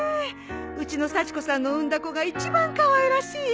うちの幸子さんの産んだ子が一番かわいらしいよ。